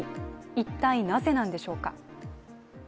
一体なぜなんでしょうか。